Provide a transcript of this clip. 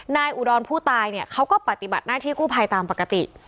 นายอุดรพูดตายเขาก็ปฏิบัติหน้าที่กู้ภัยตามปกติ